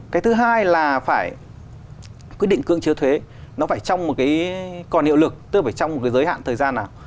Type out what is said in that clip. cái thứ hai là phải quyết định cưỡng chế thuế nó phải trong một cái còn hiệu lực tức phải trong một cái giới hạn thời gian nào